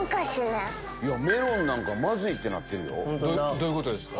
どういうことですか？